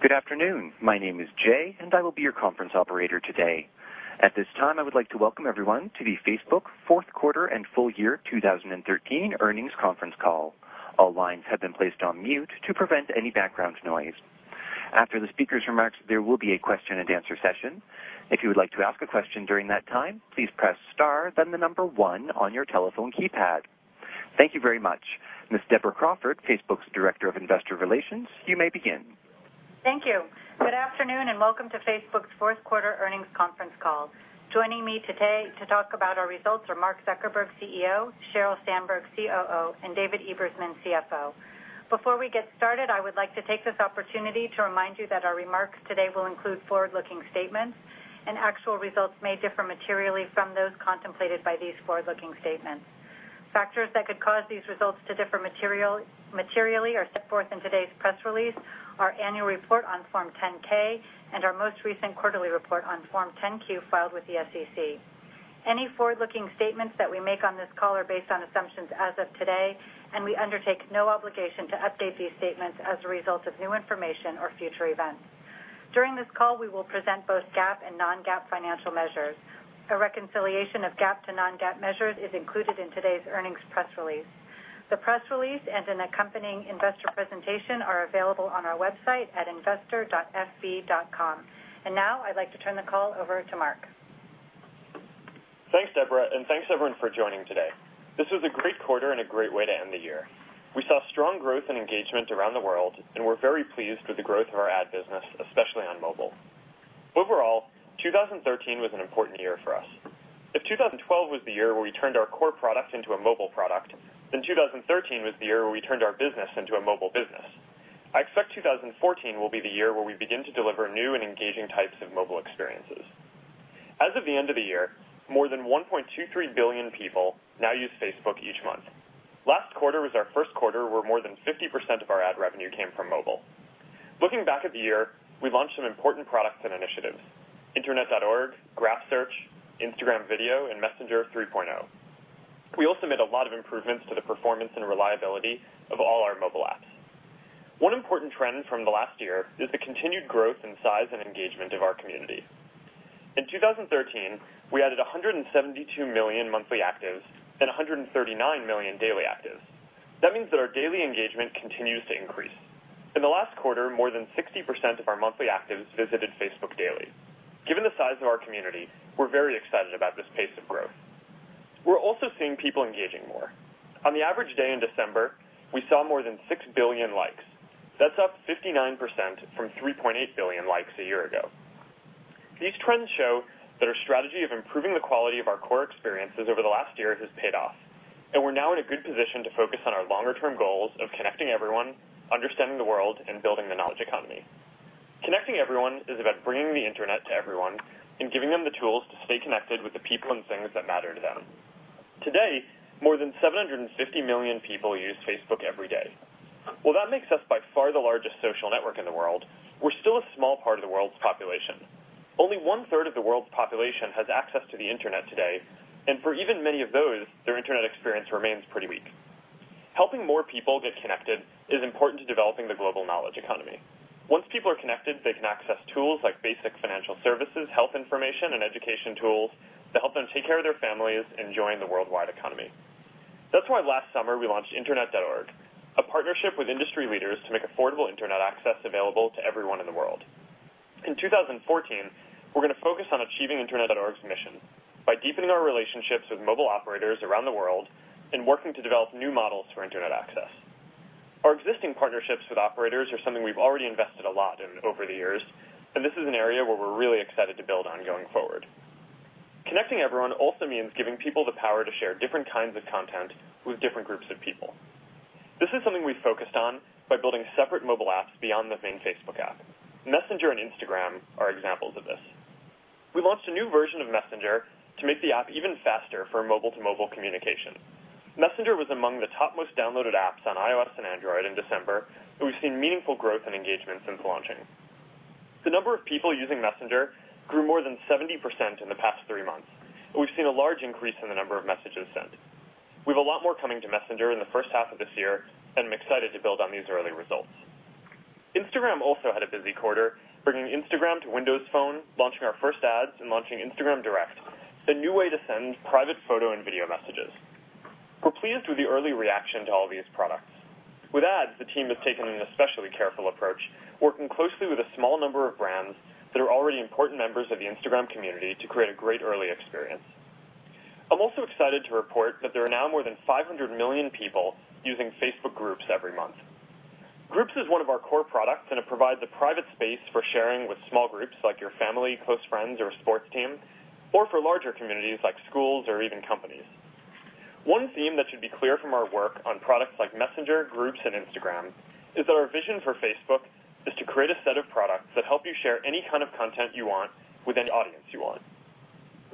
Good afternoon. My name is Jay, and I will be your conference operator today. At this time, I would like to welcome everyone to the Facebook Fourth Quarter and Full Year 2013 earnings conference call. All lines have been placed on mute to prevent any background noise. After the speaker's remarks, there will be a question-and-answer session. If you would like to ask a question during that time, please press star then one on your telephone keypad. Thank you very much. Ms. Deborah Crawford, Facebook's Director of Investor Relations, you may begin. Thank you. Good afternoon, and welcome to Facebook's fourth quarter earnings conference call. Joining me today to talk about our results are Mark Zuckerberg, CEO; Sheryl Sandberg, COO; and David Ebersman, CFO. Before we get started, I would like to take this opportunity to remind you that our remarks today will include forward-looking statements, and actual results may differ materially from those contemplated by these forward-looking statements. Factors that could cause these results to differ materially are set forth in today's press release, our annual report on Form 10-K, and our most recent quarterly report on Form 10-Q filed with the SEC. Any forward-looking statements that we make on this call are based on assumptions as of today, and we undertake no obligation to update these statements as a result of new information or future events. During this call, we will present both GAAP and non-GAAP financial measures. A reconciliation of GAAP to non-GAAP measures is included in today's earnings press release. The press release and an accompanying investor presentation are available on our website at investor.fb.com. Now I'd like to turn the call over to Mark. Thanks, Deborah, and thanks everyone for joining today. This was a great quarter and a great way to end the year. We saw strong growth and engagement around the world, and we're very pleased with the growth of our ad business, especially on mobile. Overall, 2013 was an important year for us. If 2012 was the year where we turned our core product into a mobile product, 2013 was the year where we turned our business into a mobile business. I expect 2014 will be the year where we begin to deliver new and engaging types of mobile experiences. As of the end of the year, more than 1.23 billion people now use Facebook each month. Last quarter was our first quarter where more than 50% of our ad revenue came from mobile. Looking back at the year, we launched some important products and initiatives, Internet.org, Graph Search, Instagram Video, and Messenger 3.0. We also made a lot of improvements to the performance and reliability of all our mobile apps. One important trend from the last year is the continued growth in size and engagement of our community. In 2013, we added 172 million monthly actives and 139 million daily actives. That means that our daily engagement continues to increase. In the last quarter, more than 60% of our monthly actives visited Facebook daily. Given the size of our community, we're very excited about this pace of growth. We're also seeing people engaging more. On the average day in December, we saw more than six billion likes. That's up 59% from 3.8 billion likes a year ago. These trends show that our strategy of improving the quality of our core experiences over the last year has paid off, and we're now in a good position to focus on our longer-term goals of connecting everyone, understanding the world, and building the knowledge economy. Connecting everyone is about bringing the Internet to everyone and giving them the tools to stay connected with the people and things that matter to them. Today, more than 750 million people use Facebook every day. While that makes us by far the largest social network in the world, we're still a small part of the world's population. Only one-third of the world's population has access to the Internet today, and for even many of those, their Internet experience remains pretty weak. Helping more people get connected is important to developing the global knowledge economy. Once people are connected, they can access tools like basic financial services, health information, and education tools to help them take care of their families and join the worldwide economy. That's why last summer we launched Internet.org, a partnership with industry leaders to make affordable Internet access available to everyone in the world. In 2014, we're gonna focus on achieving Internet.org's mission by deepening our relationships with mobile operators around the world and working to develop new models for Internet access. Our existing partnerships with operators are something we've already invested a lot in over the years, and this is an area where we're really excited to build on going forward. Connecting everyone also means giving people the power to share different kinds of content with different groups of people. This is something we've focused on by building separate mobile apps beyond the main Facebook app. Messenger and Instagram are examples of this. We launched a new version of Messenger to make the app even faster for mobile-to-mobile communication. Messenger was among the topmost downloaded apps on iOS and Android in December, and we've seen meaningful growth and engagement since launching. The number of people using Messenger grew more than 70% in the past three months, and we've seen a large increase in the number of messages sent. We have a lot more coming to Messenger in the first half of this year, and I'm excited to build on these early results. Instagram also had a busy quarter, bringing Instagram to Windows Phone, launching our first ads, and launching Instagram Direct, a new way to send private photo and video messages. We're pleased with the early reaction to all of these products. With ads, the team has taken an especially careful approach, working closely with a small number of brands that are already important members of the Instagram community to create a great early experience. I'm also excited to report that there are now more than 500 million people using Facebook Groups every month. Groups is one of our core products, and it provides a private space for sharing with small groups like your family, close friends, or a sports team, or for larger communities like schools or even companies. One theme that should be clear from our work on products like Messenger, Groups, and Instagram is that our vision for Facebook is to create a set of products that help you share any kind of content you want with any audience you want.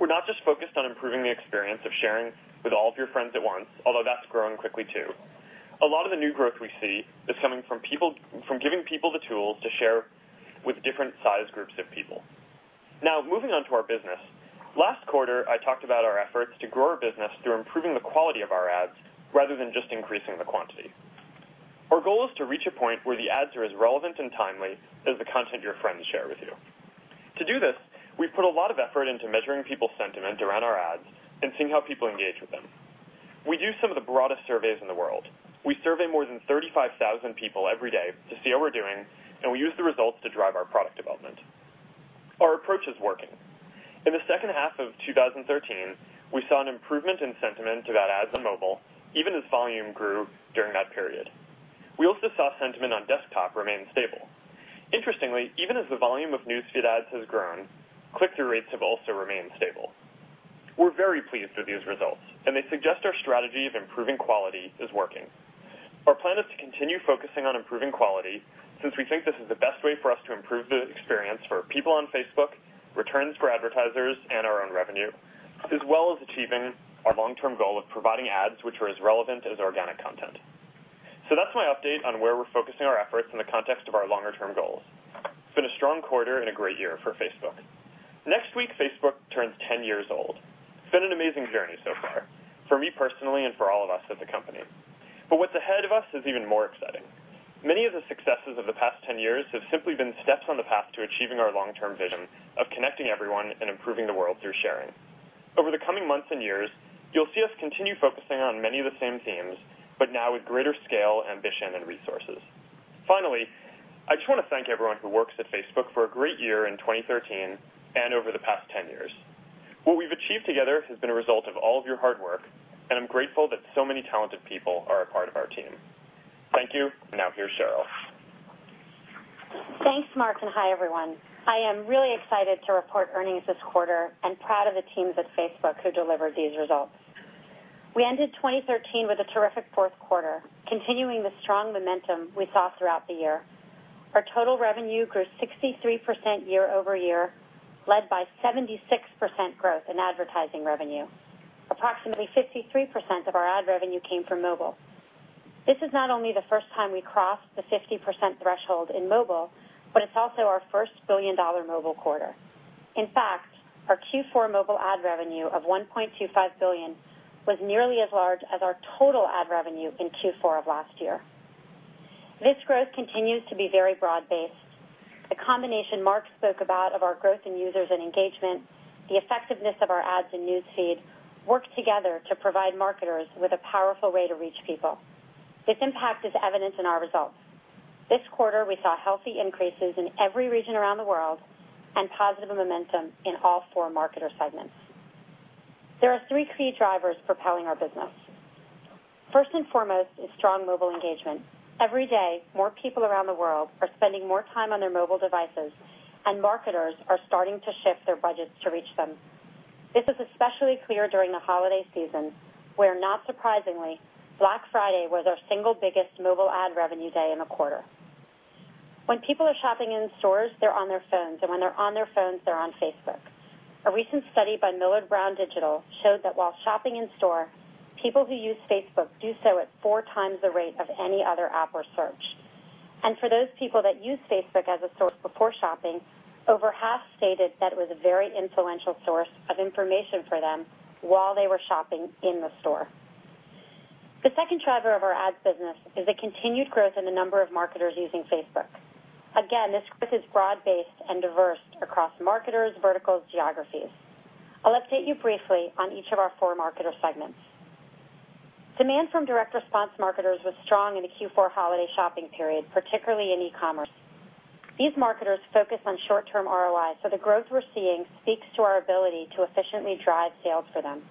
We're not just focused on improving the experience of sharing with all of your friends at once, although that's growing quickly too. A lot of the new growth we see is coming from giving people the tools to share with different size groups of people. Now, moving on to our business. Last quarter, I talked about our efforts to grow our business through improving the quality of our ads rather than just increasing the quantity. Our goal is to reach a point where the ads are as relevant and timely as the content your friends share with you. To do this, we've put a lot of effort into measuring people's sentiment around our ads and seeing how people engage with them. We do some of the broadest surveys in the world. We survey more than 35,000 people every day to see how we're doing, and we use the results to drive our product development. Our approach is working. In the second half of 2013, we saw an improvement in sentiment about ads on mobile, even as volume grew during that period. We also saw sentiment on desktop remain stable. Interestingly, even as the volume of News Feed ads has grown, click-through rates have also remained stable. We're very pleased with these results, and they suggest our strategy of improving quality is working. Our plan is to continue focusing on improving quality since we think this is the best way for us to improve the experience for people on Facebook, returns for advertisers, and our own revenue, as well as achieving our long-term goal of providing ads which are as relevant as organic content. That's my update on where we're focusing our efforts in the context of our longer-term goals. It's been a strong quarter and a great year for Facebook. Next week, Facebook turns 10 years old. It's been an amazing journey so far, for me personally and for all of us at the company. What's ahead of us is even more exciting. Many of the successes of the past 10 years have simply been steps on the path to achieving our long-term vision of connecting everyone and improving the world through sharing. Over the coming months and years, you'll see us continue focusing on many of the same themes, but now with greater scale, ambition, and resources. Finally, I just wanna thank everyone who works at Facebook for a great year in 2013 and over the past 10 years. What we've achieved together has been a result of all of your hard work, and I'm grateful that so many talented people are a part of our team. Thank you. Now here's Sheryl. Thanks, Mark, and hi, everyone. I am really excited to report earnings this quarter and proud of the teams at Facebook who delivered these results. We ended 2013 with a terrific fourth quarter, continuing the strong momentum we saw throughout the year. Our total revenue grew 63% year-over-year, led by 76% growth in advertising revenue. Approximately 53% of our ad revenue came from mobile. This is not only the first time we crossed the 50% threshold in mobile, but it's also our first billion-dollar mobile quarter. In fact, our Q4 mobile ad revenue of $1.25 billion was nearly as large as our total ad revenue in Q4 of last year. This growth continues to be very broad-based. The combination Mark spoke about of our growth in users and engagement, the effectiveness of our ads in News Feed, work together to provide marketers with a powerful way to reach people. This impact is evident in our results. This quarter, we saw healthy increases in every region around the world and positive momentum in all four marketer segments. There are three key drivers propelling our business. First and foremost is strong mobile engagement. Every day, more people around the world are spending more time on their mobile devices, and marketers are starting to shift their budgets to reach them. This was especially clear during the holiday season, where, not surprisingly, Black Friday was our single biggest mobile ad revenue day in the quarter. When people are shopping in stores, they're on their phones, and when they're on their phones, they're on Facebook. A recent study by Millward Brown Digital showed that while shopping in store, people who use Facebook do so at four times the rate of any other app or search. For those people that use Facebook as a source before shopping, over half stated that it was a very influential source of information for them while they were shopping in the store. The second driver of our ads business is the continued growth in the number of marketers using Facebook. This growth is broad-based and diverse across marketers, verticals, geographies. I'll update you briefly on each of our four marketer segments. Demand from direct response marketers was strong in the Q4 holiday shopping period, particularly in e-commerce. These marketers focus on short-term ROI, the growth we're seeing speaks to our ability to efficiently drive sales for them.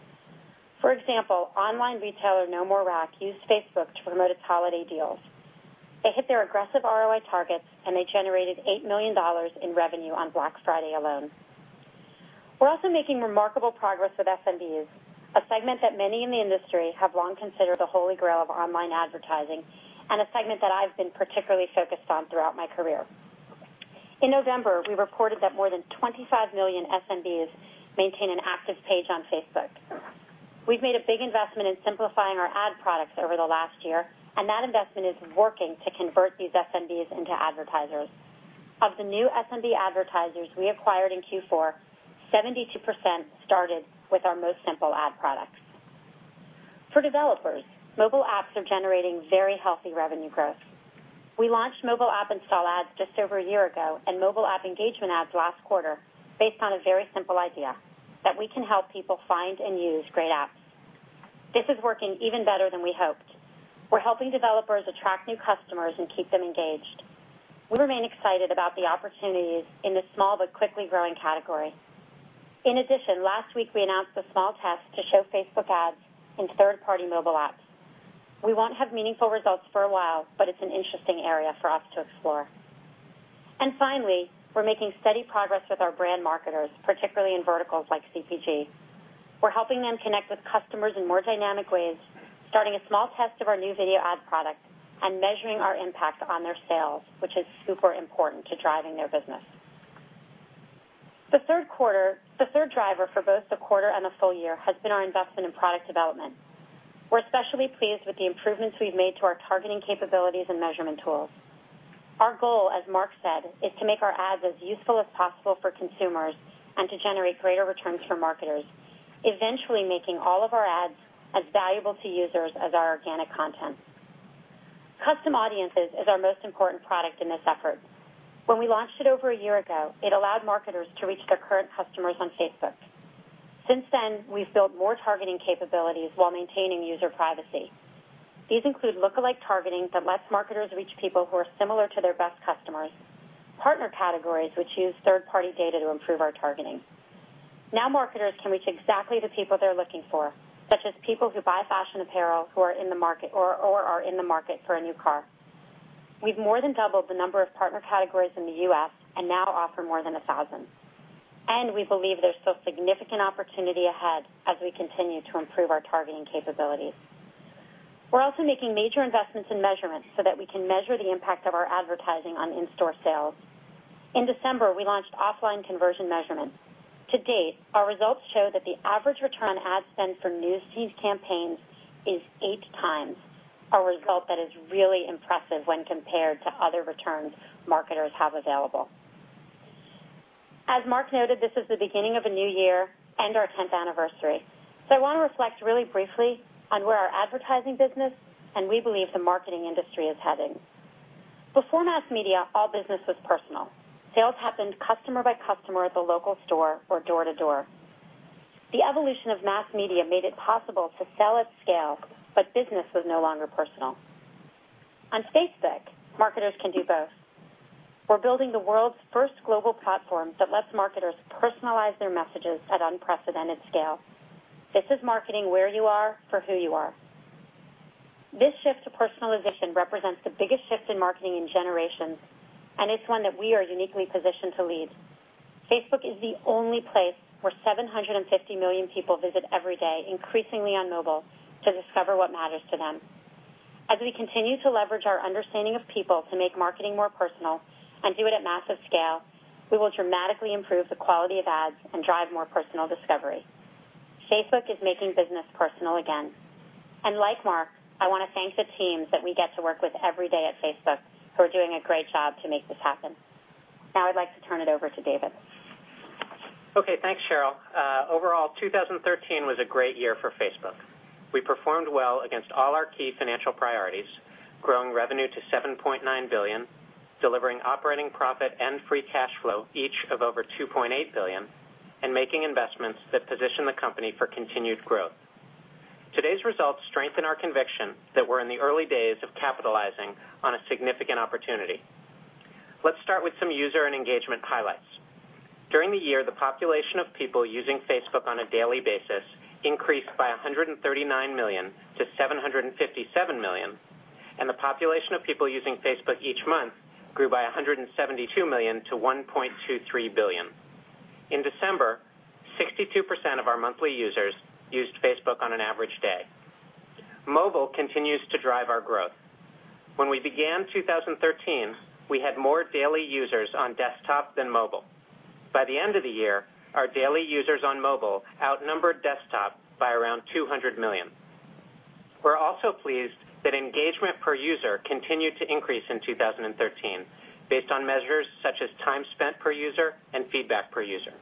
For example, online retailer Nomorerack used Facebook to promote its holiday deals. They hit their aggressive ROI targets, and they generated $8 million in revenue on Black Friday alone. We're also making remarkable progress with SMBs, a segment that many in the industry have long considered the Holy Grail of online advertising, and a segment that I've been particularly focused on throughout my career. In November, we reported that more than 25 million SMBs maintain an active page on Facebook. We've made a big investment in simplifying our ad products over the last year, and that investment is working to convert these SMBs into advertisers. Of the new SMB advertisers we acquired in Q4, 72% started with our most simple ad products. For developers, mobile apps are generating very healthy revenue growth. We launched mobile app install ads just over a year ago, and mobile app engagement ads last quarter based on a very simple idea: that we can help people find and use great apps. This is working even better than we hoped. We're helping developers attract new customers and keep them engaged. We remain excited about the opportunities in this small but quickly growing category. In addition, last week we announced a small test to show Facebook ads in third-party mobile apps. We won't have meaningful results for a while, but it's an interesting area for us to explore. Finally, we're making steady progress with our brand marketers, particularly in verticals like CPG. We're helping them connect with customers in more dynamic ways, starting a small test of our new video ad product, and measuring our impact on their sales, which is super important to driving their business. The third driver for both the quarter and the full year has been our investment in product development. We're especially pleased with the improvements we've made to our targeting capabilities and measurement tools. Our goal, as Mark said, is to make our ads as useful as possible for consumers and to generate greater returns for marketers, eventually making all of our ads as valuable to users as our organic content. Custom Audiences is our most important product in this effort. When we launched it over a year ago, it allowed marketers to reach their current customers on Facebook. Since then, we've built more targeting capabilities while maintaining user privacy. These include lookalike targeting that lets marketers reach people who are similar to their best customers, Partner Categories which use third-party data to improve our targeting. Marketers can reach exactly the people they're looking for, such as people who buy fashion apparel, who are in the market or are in the market for a new car. We've more than doubled the number of Partner Categories in the U.S. and now offer more than 1,000. We believe there's still significant opportunity ahead as we continue to improve our targeting capabilities. We're also making major investments in measurements so that we can measure the impact of our advertising on in-store sales. In December, we launched offline conversion measurement. To date, our results show that the average return on ad spend for News Feed campaigns is eight times, a result that is really impressive when compared to other returns marketers have available. As Mark noted, this is the beginning of a new year and our 10th anniversary. I wanna reflect really briefly on where our advertising business and we believe the marketing industry is heading. Before mass media, all business was personal. Sales happened customer by customer at the local store or door to door. The evolution of mass media made it possible to sell at scale, business was no longer personal. On Facebook, marketers can do both. We're building the world's first global platform that lets marketers personalize their messages at unprecedented scale. This is marketing where you are for who you are. This shift to personalization represents the biggest shift in marketing in generations, it's one that we are uniquely positioned to lead. Facebook is the only place where 750 million people visit every day, increasingly on mobile, to discover what matters to them. As we continue to leverage our understanding of people to make marketing more personal and do it at massive scale, we will dramatically improve the quality of ads and drive more personal discovery. Facebook is making business personal again. Like Mark, I wanna thank the teams that we get to work with every day at Facebook who are doing a great job to make this happen. Now I'd like to turn it over to David. Okay. Thanks, Sheryl. Overall, 2013 was a great year for Facebook. We performed well against all our key financial priorities, growing revenue to $7.9 billion, delivering operating profit and free cash flow, each of over $2.8 billion, and making investments that position the company for continued growth. Today's results strengthen our conviction that we're in the early days of capitalizing on a significant opportunity. Let's start with some user and engagement highlights. During the year, the population of people using Facebook on a daily basis increased by 139 million-757 million, and the population of people using Facebook each month grew by 172 million-1.23 billion. In December, 62% of our monthly users used Facebook on an average day. Mobile continues to drive our growth. When we began 2013, we had more daily users on desktop than mobile. By the end of the year, our daily users on mobile outnumbered desktop by around 200 million. We're also pleased that engagement per user continued to increase in 2013 based on measures such as time spent per user and feedback per user.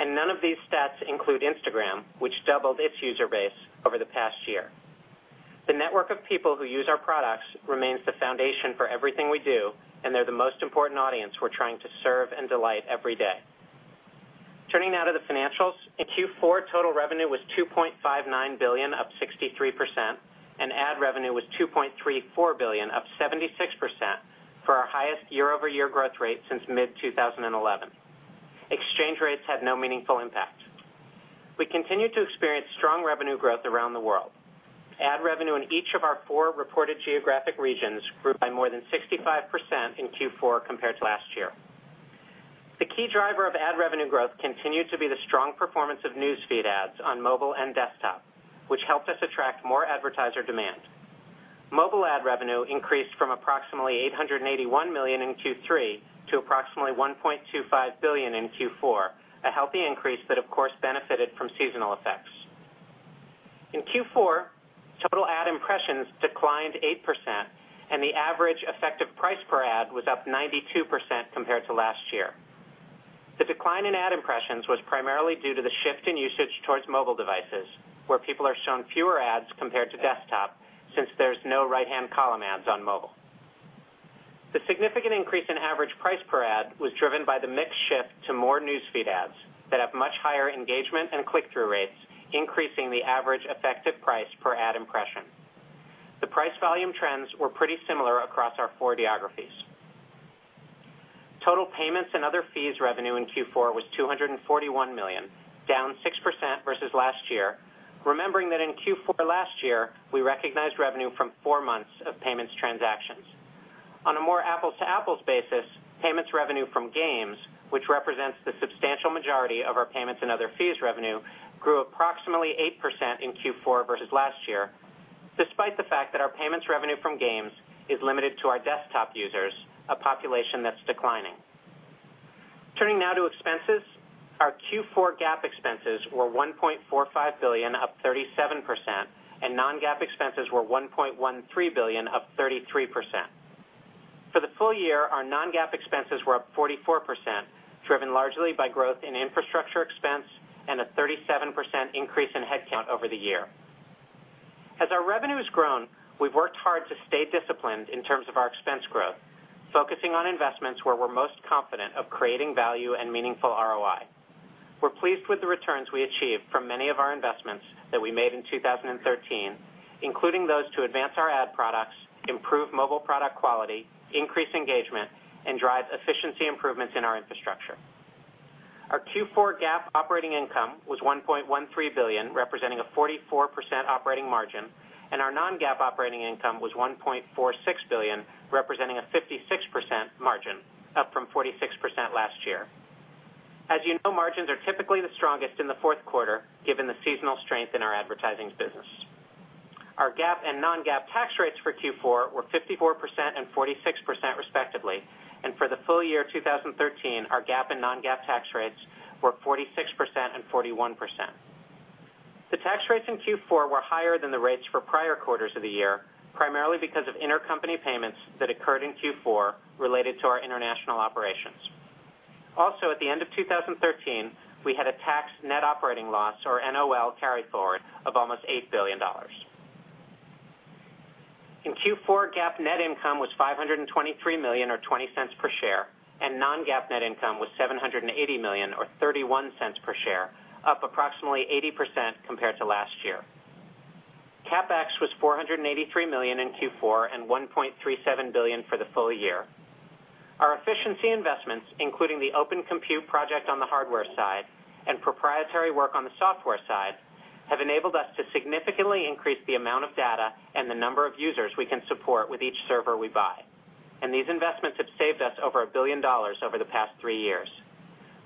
None of these stats include Instagram, which doubled its user base over the past year. The network of people who use our products remains the foundation for everything we do, and they're the most important audience we're trying to serve and delight every day. Turning now to the financials. In Q4, total revenue was $2.59 billion, up 63%, and ad revenue was $2.34 billion, up 76%, for our highest year-over-year growth rate since mid 2011. Exchange rates had no meaningful impact. We continued to experience strong revenue growth around the world. Ad revenue in each of our four reported geographic regions grew by more than 65% in Q4 compared to last year. The key driver of ad revenue growth continued to be the strong performance of News Feed ads on mobile and desktop, which helped us attract more advertiser demand. Mobile ad revenue increased from approximately $881 million in Q3 to approximately $1.25 billion in Q4, a healthy increase that, of course, benefited from seasonal effects. In Q4, total ad impressions declined 8%, and the average effective price per ad was up 92% compared to last year. The decline in ad impressions was primarily due to the shift in usage towards mobile devices, where people are shown fewer ads compared to desktop since there's no right-hand column ads on mobile. The significant increase in average price per ad was driven by the mix shift to more News Feed ads that have much higher engagement and click-through rates, increasing the average effective price per ad impression. The price-volume trends were pretty similar across our four geographies. Total payments and other fees revenue in Q4 was $241 million, down 6% versus last year. Remembering that in Q4 last year, we recognized revenue from four months of payments transactions. On a more apples-to-apples basis, payments revenue from games, which represents the substantial majority of our payments and other fees revenue, grew approximately 8% in Q4 versus last year, despite the fact that our payments revenue from games is limited to our desktop users, a population that's declining. Turning bow to expenses. Our Q4 GAAP expenses were $1.45 billion, up 37%. Non-GAAP expenses were $1.13 billion, up 33%. For the full year, our non-GAAP expenses were up 44%, driven largely by growth in infrastructure expense and a 37% increase in headcount over the year. As our revenue has grown, we've worked hard to stay disciplined in terms of our expense growth, focusing on investments where we're most confident of creating value and meaningful ROI. We're pleased with the returns we achieved from many of our investments that we made in 2013, including those to advance our ad products, improve mobile product quality, increase engagement, and drive efficiency improvements in our infrastructure. Our Q4 GAAP operating income was $1.13 billion, representing a 44% operating margin, and our non-GAAP operating income was $1.46 billion, representing a 56% margin, up from 46% last year. As you know, margins are typically the strongest in the fourth quarter, given the seasonal strength in our advertising business. Our GAAP and non-GAAP tax rates for Q4 were 54% and 46% respectively. For the full year 2013, our GAAP and non-GAAP tax rates were 46% and 41%. The tax rates in Q4 were higher than the rates for prior quarters of the year, primarily because of intercompany payments that occurred in Q4 related to our international operations. At the end of 2013, we had a tax net operating loss, or NOL, carried forward of almost $8 billion. In Q4, GAAP net income was $523 million or $0.20 per share, and non-GAAP net income was $780 million or $0.31 per share, up approximately 80% compared to last year. CapEx was $483 million in Q4 and $1.37 billion for the full year. Our efficiency investments, including the Open Compute Project on the hardware side and proprietary work on the software side, have enabled us to significantly increase the amount of data and the number of users we can support with each server we buy. These investments have saved us over $1 billion over the past three years.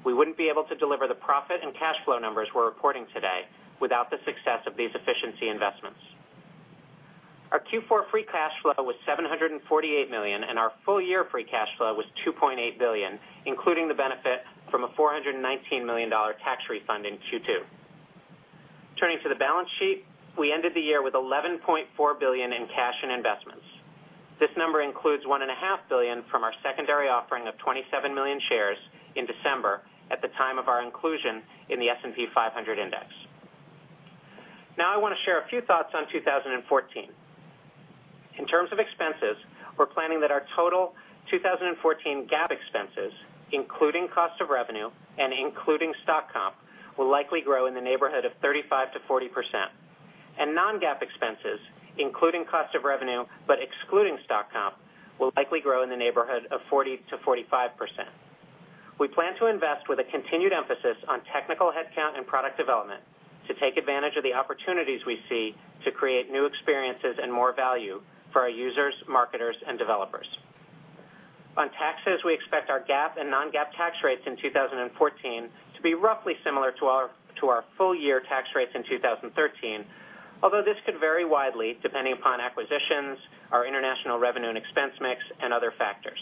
We wouldn't be able to deliver the profit and cash flow numbers we're reporting today without the success of these efficiency investments. Our Q4 free cash flow was $748 million, and our full-year free cash flow was $2.8 billion, including the benefit from a $419 million tax refund in Q2. Turning to the balance sheet, we ended the year with $11.4 billion in cash and investments. This number includes $1.5 billion from our secondary offering of 27 million shares in December at the time of our inclusion in the S&P 500 index. I wanna share a few thoughts on 2014. In terms of expenses, we're planning that our total 2014 GAAP expenses, including cost of revenue and including stock comp, will likely grow in the neighborhood of 35%-40%. non-GAAP expenses, including cost of revenue, but excluding stock comp, will likely grow in the neighborhood of 40%-45%. We plan to invest with a continued emphasis on technical headcount and product development to take advantage of the opportunities we see to create new experiences and more value for our users, marketers, and developers. On taxes, we expect our GAAP and non-GAAP tax rates in 2014 to be roughly similar to our full-year tax rates in 2013, although this could vary widely depending upon acquisitions, our international revenue and expense mix, and other factors.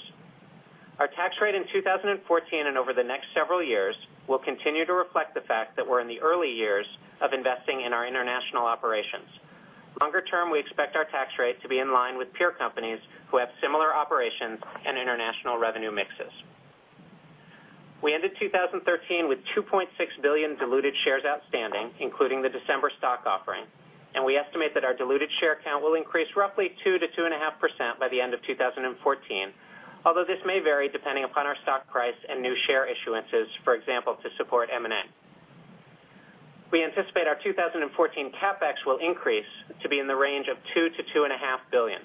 Our tax rate in 2014 and over the next several years will continue to reflect the fact that we're in the early years of investing in our international operations. Longer term, we expect our tax rate to be in line with peer companies who have similar operations and international revenue mixes. We ended 2013 with 2.6 billion diluted shares outstanding, including the December stock offering, and we estimate that our diluted share count will increase roughly 2%-2.5% by the end of 2014, although this may vary depending upon our stock price and new share issuances, for example, to support M&A. We anticipate our 2014 CapEx will increase to be in the range of $2 billion-$2.5 billion.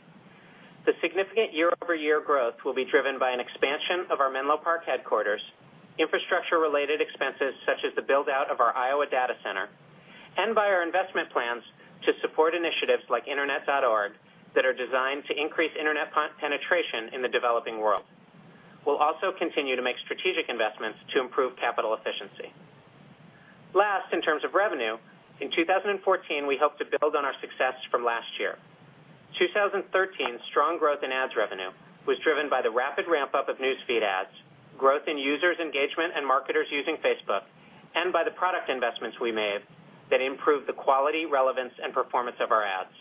The significant year-over-year growth will be driven by an expansion of our Menlo Park headquarters, infrastructure-related expenses such as the build-out of our Iowa data center, and by our investment plans to support initiatives like Internet.org that are designed to increase Internet penetration in the developing world. We'll also continue to make strategic investments to improve capital efficiency. Last, in terms of revenue, in 2014, we hope to build on our success from last year. 2013's strong growth in ads revenue was driven by the rapid ramp-up of News Feed ads, growth in users' engagement and marketers using Facebook, and by the product investments we made that improved the quality, relevance, and performance of our ads.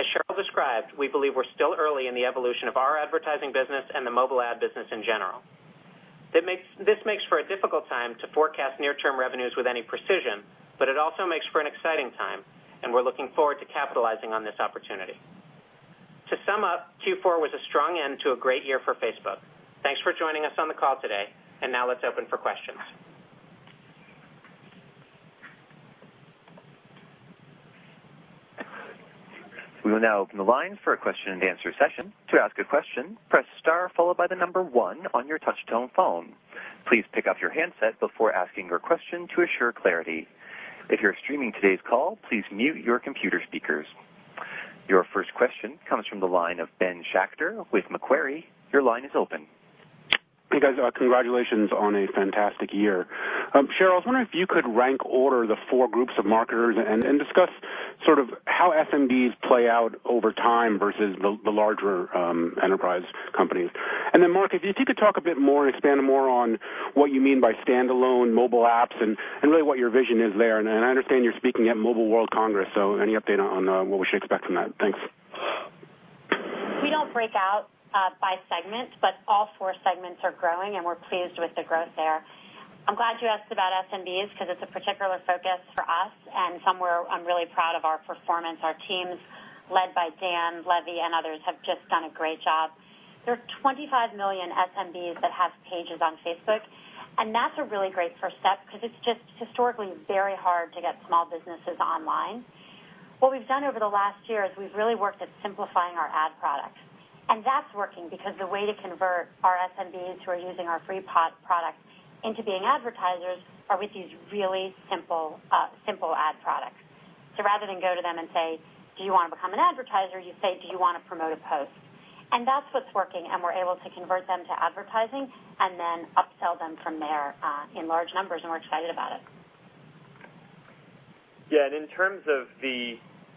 As Sheryl described, we believe we're still early in the evolution of our advertising business and the mobile ad business in general. This makes for a difficult time to forecast near-term revenues with any precision, it also makes for an exciting time, we're looking forward to capitalizing on this opportunity. To sum up, Q4 was a strong end to a great year for Facebook. Thanks for joining us on the call today. Now let's open for questions. We will now open the line for a question-and-answer session. To ask a question, press star followed by one on your touch-tone phone. Please pick up your handset before asking your question to assure clarity. If you're streaming today's call, please mute your computer speakers. Your first question comes from the line of Ben Schachter with Macquarie. Your line is open. Hey, guys. Congratulations on a fantastic year. Sheryl, I was wondering if you could rank order the four groups of marketers and discuss sort of how SMBs play out over time versus the larger enterprise companies. Mark, if you could talk a bit more and expand more on what you mean by standalone mobile apps and really what your vision is there. I understand you're speaking at Mobile World Congress, so any update on what we should expect from that? Thanks. We don't break out by segment, but all four segments are growing, and we're pleased with the growth there. I'm glad you asked about SMBs because it's a particular focus for us and somewhere I'm really proud of our performance. Our teams, led by Dan Levy and others, have just done a great job. There are 25 million SMBs that have pages on Facebook, and that's a really great first step because it's just historically very hard to get small businesses online. What we've done over the last year is we've really worked at simplifying our ad products, and that's working because the way to convert our SMBs who are using our free Page product into being advertisers are with these really simple ad products. Rather than go to them and say, "Do you want to become an advertiser?" You say, "Do you want to promote a post?" That's what's working, and we're able to convert them to advertising and then upsell them from there, in large numbers, and we're excited about it. Yeah, in terms of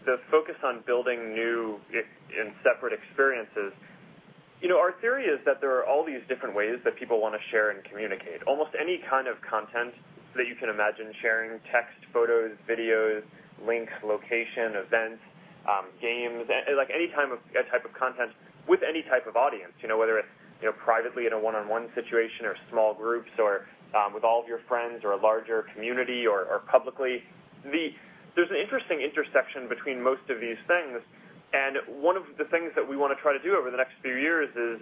the focus on building new and separate experiences, you know, our theory is that there are all these different ways that people want to share and communicate. Almost any kind of content that you can imagine sharing, text, photos, videos, links, location, events, games, like, any type of content with any type of audience, you know, whether it's, you know, privately in a one-on-one situation or small groups or with all of your friends or a larger community or publicly. There's an interesting intersection between most of these things, and one of the things that we wanna try to do over the next few years is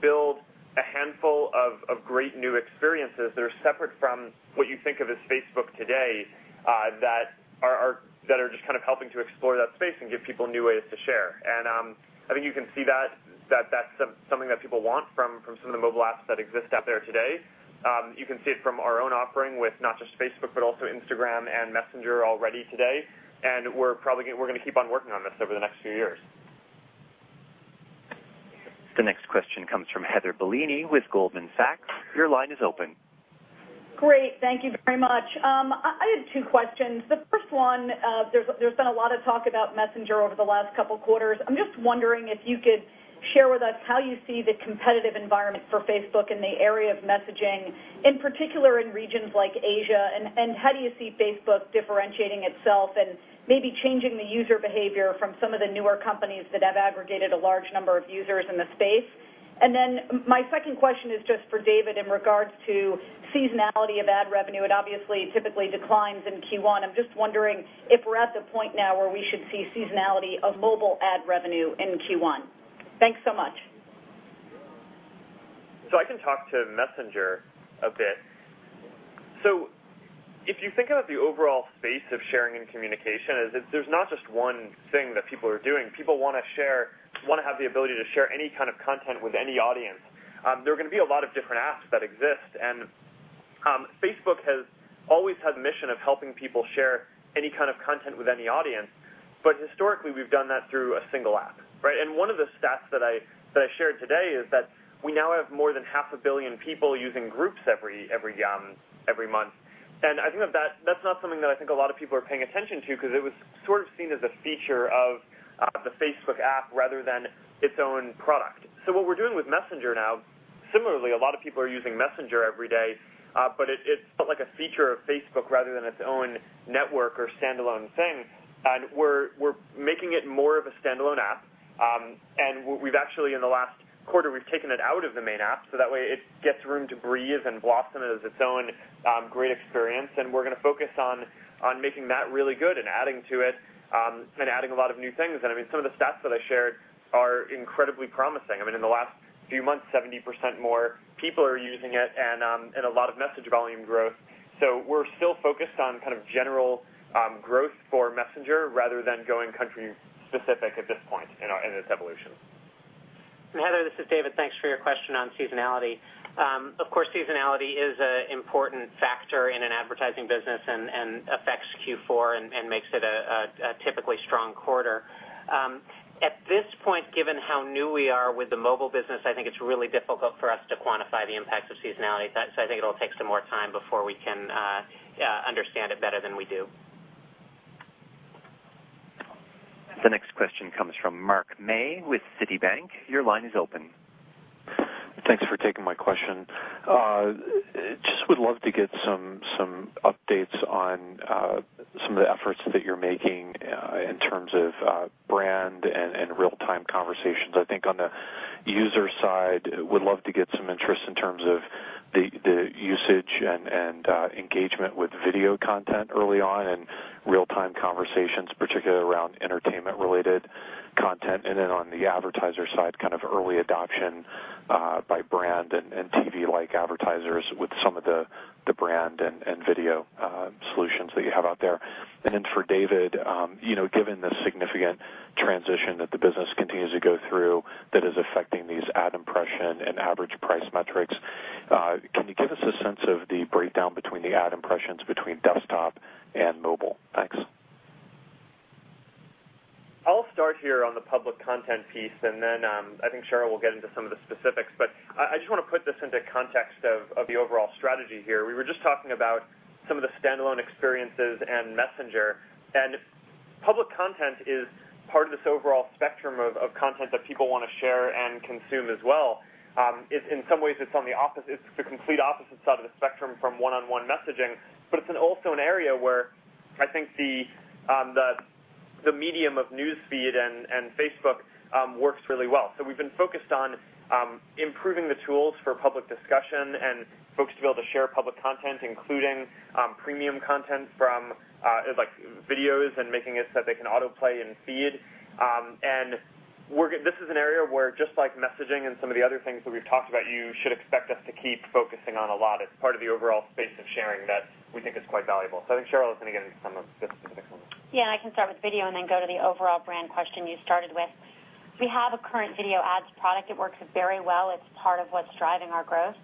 build a handful of great new experiences that are separate from what you think of as Facebook today, that are just kind of helping to explore that space and give people new ways to share. I think you can see that that's something that people want from some of the mobile apps that exist out there today. You can see it from our own offering with not just Facebook, but also Instagram and Messenger already today, and we're probably we're gonna keep on working on this over the next few years. The next question comes from Heather Bellini with Goldman Sachs. Your line is open. Great. Thank you very much. I had two questions. The first one, there's been a lot of talk about Messenger over the last couple quarters. I'm just wondering if you could share with us how you see the competitive environment for Facebook in the area of messaging, in particular in regions like Asia. How do you see Facebook differentiating itself and maybe changing the user behavior from some of the newer companies that have aggregated a large number of users in the space? My second question is just for David in regards to seasonality of ad revenue. It obviously typically declines in Q1. I'm just wondering if we're at the point now where we should see seasonality of mobile ad revenue in Q1. Thanks so much. I can talk to Messenger a bit. If you think about the overall space of sharing and communication, is that there's not just one thing that people are doing. People wanna share, wanna have the ability to share any kind of content with any audience. There are gonna be a lot of different apps that exist, and Facebook has always had the mission of helping people share any kind of content with any audience. Historically, we've done that through a single app, right? One of the stats that I, that I shared today is that we now have more than half a billion people using Groups every month. I think that that's not something that I think a lot of people are paying attention to because it was sort of seen as a feature of the Facebook app rather than its own product. What we're doing with Messenger now, similarly, a lot of people are using Messenger every day, but it's felt like a feature of Facebook rather than its own network or standalone thing, and we're making it more of a standalone app. We've actually, in the last quarter, we've taken it out of the main app, so that way it gets room to breathe and blossom as its own great experience. We're gonna focus on making that really good and adding to it and adding a lot of new things. I mean, some of the stats that I shared are incredibly promising. I mean, in the last few months, 70% more people are using it and a lot of message volume growth. We're still focused on kind of general growth for Messenger rather than going country specific at this point in our, in its evolution. Heather, this is David. Thanks for your question on seasonality. Of course, seasonality is a important factor in an advertising business and affects Q4 and makes it a typically strong quarter. At this point, given how new we are with the mobile business, I think it's really difficult for us to quantify the impact of seasonality. I think it'll take some more time before we can understand it better than we do. The next question comes from Mark May with Citibank. Your line is open. Thanks for taking my question. Just would love to get some updates on some of the efforts that you're making in terms of brand and real-time conversations. I think on the user side, would love to get some interest in terms of the usage and engagement with video content early on and real-time conversations, particularly around entertainment-related content. On the advertiser side, kind of early adoption by brand and TV-like advertisers with some of the brand and video solutions that you have out there. For David, you know, given the significant transition that the business continues to go through that is affecting these ad impression and average price metrics, can you give us a sense of the breakdown between the ad impressions between desktop and mobile? Thanks. On the public content piece, I think Sheryl will get into some of the specifics. I just wanna put this into context of the overall strategy here. We were just talking about some of the standalone experiences and Messenger, public content is part of this overall spectrum of content that people wanna share and consume as well. It's, in some ways it's the complete opposite side of the spectrum from one-on-one messaging, it's also an area where I think the medium of News Feed and Facebook works really well. We've been focused on improving the tools for public discussion and folks to be able to share public content, including premium content from like videos and making it so they can autoplay in Feed. This is an area where just like messaging and some of the other things that we've talked about, you should expect us to keep focusing on a lot. It's part of the overall space of sharing that we think is quite valuable. I think Sheryl is gonna get into some of the specifics on this. I can start with video and then go to the overall brand question you started with. We have a current video ads product. It works very well. It's part of what's driving our growth.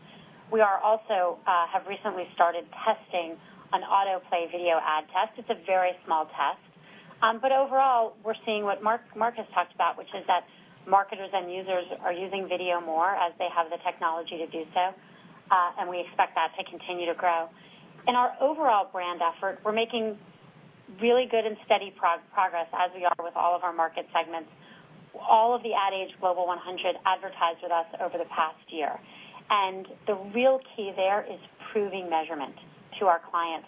We are also have recently started testing an autoplay video ad test. It's a very small test. Overall, we're seeing what Mark has talked about, which is that marketers and users are using video more as they have the technology to do so, and we expect that to continue to grow. In our overall brand effort, we're making really good and steady progress, as we are with all of our market segments. All of the Ad Age Global 100 advertised with us over the past year, and the real key there is proving measurement to our clients.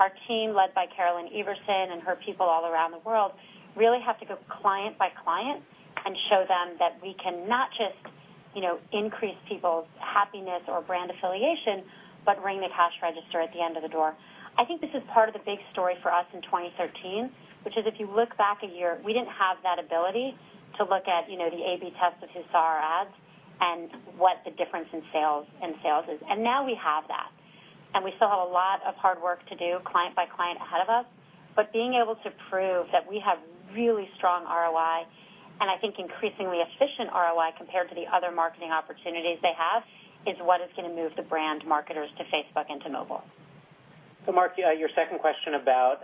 Our team, led by Carolyn Everson and her people all around the world, really have to go client by client and show them that we can not just, you know, increase people's happiness or brand affiliation, but ring the cash register at the end of the door. I think this is part of the big story for us in 2013, which is if you look back a year, we didn't have that ability to look at, you know, the AB test of who saw our ads and what the difference in sales is. Now we have that, and we still have a lot of hard work to do, client by client, ahead of us. Being able to prove that we have really strong ROI, and I think increasingly efficient ROI compared to the other marketing opportunities they have, is what is gonna move the brand marketers to Facebook and to mobile. Mark, your second question about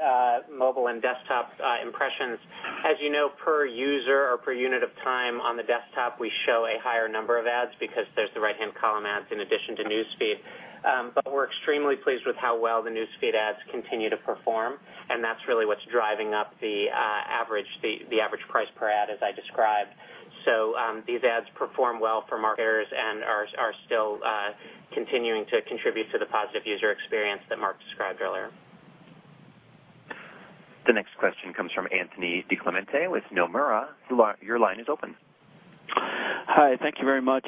mobile and desktop impressions. As you know, per user or per unit of time on the desktop, we show a higher number of ads because there's the right-hand column ads in addition to News Feed. We're extremely pleased with how well the News Feed ads continue to perform, and that's really what's driving up the average, the average price per ad, as I described. These ads perform well for marketers and are still continuing to contribute to the positive user experience that Mark described earlier. The next question comes from Anthony DiClemente with Nomura. Your line is open. Hi. Thank you very much.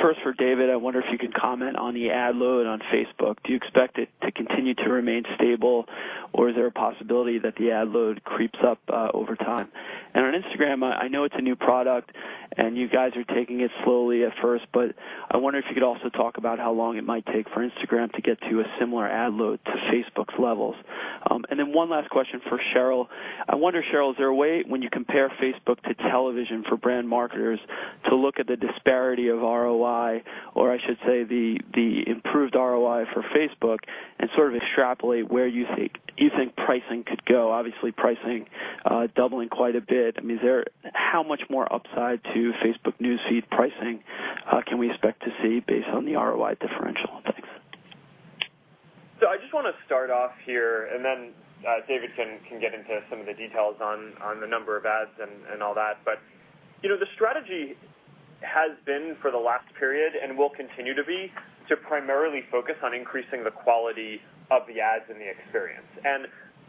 First for David, I wonder if you could comment on the ad load on Facebook. Do you expect it to continue to remain stable, or is there a possibility that the ad load creeps up over time? On Instagram, I know it's a new product, and you guys are taking it slowly at first, but I wonder if you could also talk about how long it might take for Instagram to get to a similar ad load to Facebook's levels. One last question for Sheryl. I wonder, Sheryl, is there a way when you compare Facebook to television for brand marketers to look at the disparity of ROI, or I should say the improved ROI for Facebook and sort of extrapolate where you think pricing could go? Obviously, pricing doubling quite a bit. I mean, is there How much more upside to Facebook News Feed pricing, can we expect to see based on the ROI differential? Thanks. I just wanna start off here, and then David can get into some of the details on the number of ads and all that. You know, the strategy has been for the last period and will continue to be, to primarily focus on increasing the quality of the ads and the experience.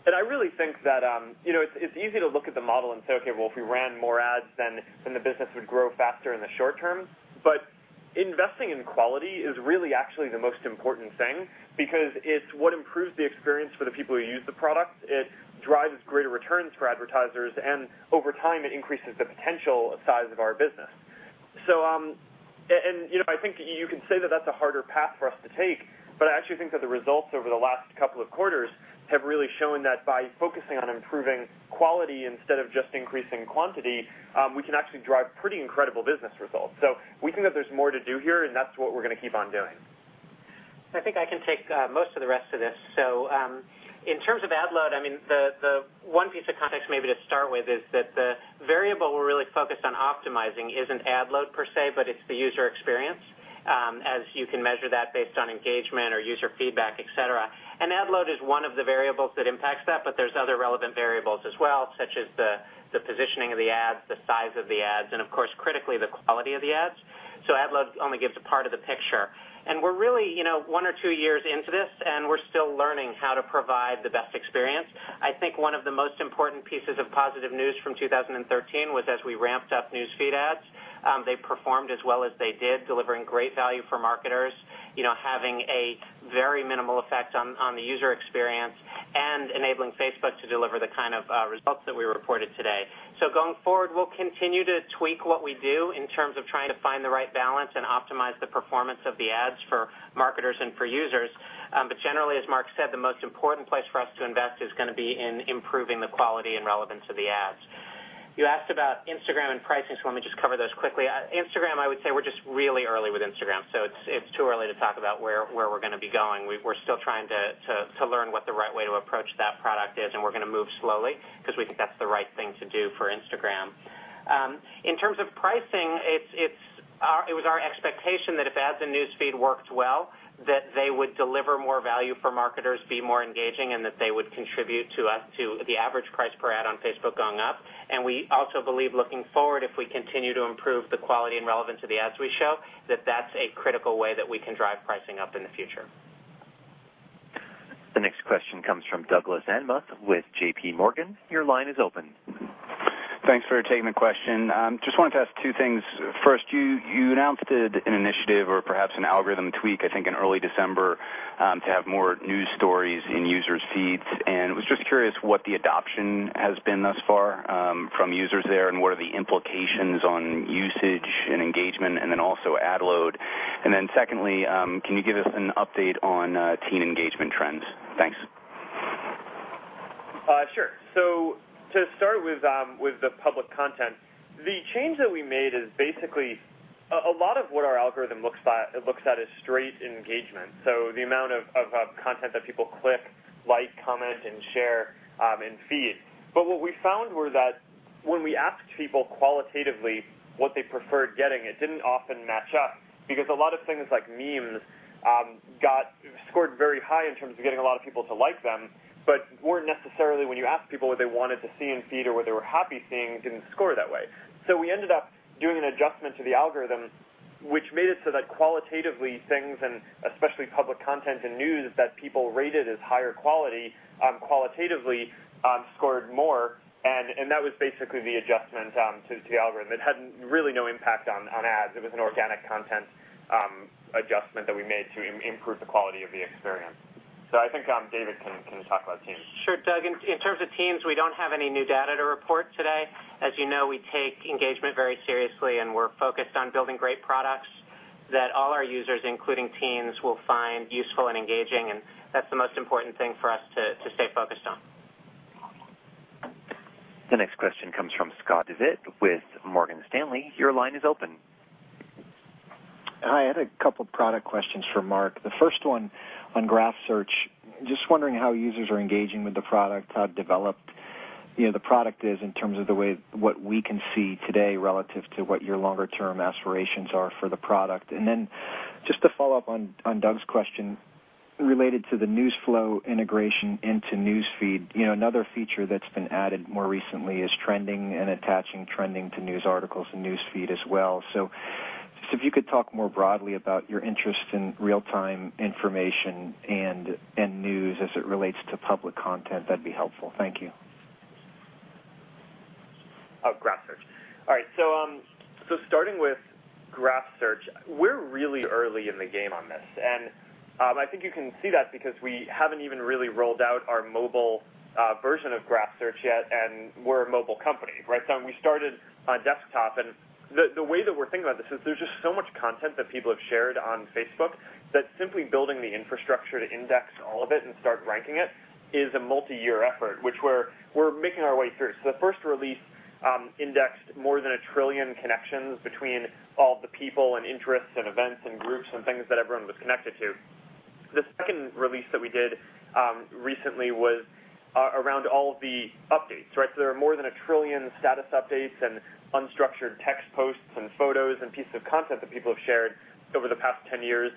I really think that, you know, it's easy to look at the model and say, "Okay. Well, if we ran more ads, then the business would grow faster in the short term." Investing in quality is really actually the most important thing because it's what improves the experience for the people who use the product. It drives greater returns for advertisers, and over time, it increases the potential size of our business. you know, I think you can say that that's a harder path for us to take, but I actually think that the results over the last couple of quarters have really shown that by focusing on improving quality instead of just increasing quantity, we can actually drive pretty incredible business results. We think that there's more to do here, and that's what we're gonna keep on doing. I think I can take most of the rest of this. In terms of ad load, I mean, the one piece of context maybe to start with is that the variable we're really focused on optimizing isn't ad load per se, but it's the user experience as you can measure that based on engagement or user feedback, et cetera. Ad load is one of the variables that impacts that, but there's other relevant variables as well, such as the positioning of the ads, the size of the ads, and of course, critically, the quality of the ads. Ad load only gives a part of the picture. We're really, you know, one or two years into this, and we're still learning how to provide the best experience. I think one of the most important pieces of positive news from 2013 was as we ramped up News Feed ads, they performed as well as they did, delivering great value for marketers, you know, having a very minimal effect on the user experience and enabling Facebook to deliver the kind of results that we reported today. Going forward, we'll continue to tweak what we do in terms of trying to find the right balance and optimize the performance of the ads for marketers and for users. Generally, as Mark said, the most important place for us to invest is gonna be in improving the quality and relevance of the ads. You asked about Instagram and pricing, let me just cover those quickly. Instagram, I would say we're just really early with Instagram, so it's too early to talk about where we're gonna be going. We're still trying to learn what the right way to approach that product is, and we're gonna move slowly 'cause we think that's the right thing to do for Instagram. In terms of pricing, it was our expectation that if ads in News Feed worked well, that they would deliver more value for marketers, be more engaging, and that they would contribute to us to the average price per ad on Facebook going up. We also believe, looking forward, if we continue to improve the quality and relevance of the ads we show, that that's a critical way that we can drive pricing up in the future. The next question comes from Douglas Anmuth with JPMorgan. Your line is open. Thanks for taking the question. Just wanted to ask two things. First, you announced an initiative or perhaps an algorithm tweak, I think, in early December to have more news stories in users' feeds. Was just curious what the adoption has been thus far from users there, and what are the implications on usage and engagement, and then also ad load. Secondly, can you give us an update on teen engagement trends? Thanks. Sure. To start with the public content, the change that we made is basically, a lot of what our algorithm looks at is straight engagement, the amount of content that people click, like, comment, and share, in News Feed. What we found were that when we asked people qualitatively what they preferred getting, it didn't often match up because a lot of things like memes, got scored very high in terms of getting a lot of people to like them, weren't necessarily when you asked people what they wanted to see in News Feed or what they were happy seeing, didn't score that way. We ended up doing an adjustment to the algorithm, which made it so that qualitatively things and especially public content and news that people rated as higher quality, qualitatively, scored more. That was basically the adjustment to the algorithm. It had really no impact on ads. It was an organic content adjustment that we made to improve the quality of the experience. I think David can talk about teens. Sure. Doug, in terms of teens, we don't have any new data to report today. As you know, we take engagement very seriously, we're focused on building great products that all our users, including teens, will find useful and engaging, and that's the most important thing for us to stay focused on. The next question comes from Scott Devitt with Morgan Stanley. Your line is open. Hi. I had a couple product questions for Mark. The first one on Graph Search. Just wondering how users are engaging with the product, how developed, you know, the product is in terms of the way what we can see today relative to what your longer-term aspirations are for the product. Then just to follow up on Douglas's question related to the News Flow integration into News Feed. You know, another feature that's been added more recently is trending and attaching trending to news articles and News Feed as well. Just if you could talk more broadly about your interest in real-time information and news as it relates to public content, that'd be helpful. Thank you. Oh, Graph Search. All right. Starting with Graph Search, we're really early in the game on this. I think you can see that because we haven't even really rolled out our mobile version of Graph Search yet, and we're a mobile company, right? We started on desktop. The way that we're thinking about this is there's just so much content that people have shared on Facebook that simply building the infrastructure to index all of it and start ranking it is a multiyear effort, which we're making our way through. The first release indexed more than a trillion connections between all the people and interests and events and groups and things that everyone was connected to. The second release that we did recently was around all of the updates, right? There are more than a trillion status updates and unstructured text posts and photos and pieces of content that people have shared over the past 10 years.